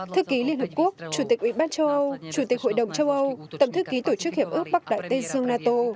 thư ký liên hợp quốc chủ tịch ủy ban châu âu chủ tịch hội đồng châu âu tổng thư ký tổ chức hiệp ước bắc đại tây dương nato